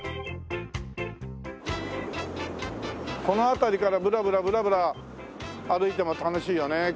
この辺りからブラブラブラブラ歩いても楽しいよね。